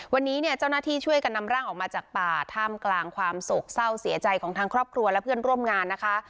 วันนี้เนี่ยเจ้าหน้าที่ช่วยกันนำร่างออกมาจากป่าท่ามกลางความโศกเศร้าเสียใจของทางครอบครัวและเพื่อนร่วมงานนะคะ